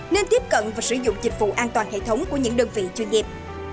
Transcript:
nên tiếp cận và sử dụng dịch vụ an toàn hệ thống của những đơn vị chuyên nghiệp